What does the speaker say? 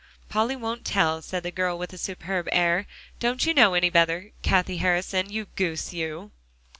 "Polly won't tell," said the girl, with a superb air; "don't you know any better, Cathie Harrison, you goose, you!"